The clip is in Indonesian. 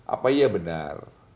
apa iya benar